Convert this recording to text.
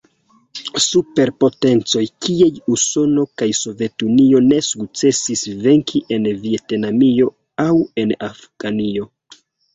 Superpotencoj kiaj Usono kaj Sovetunio ne sukcesis venki en Vjetnamio aŭ en Afganio.